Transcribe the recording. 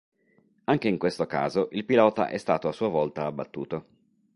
Anche in questo caso il pilota è stato a sua volta abbattuto.